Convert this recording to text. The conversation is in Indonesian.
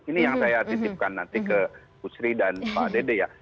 ini yang saya titipkan nanti ke bu sri dan pak dede ya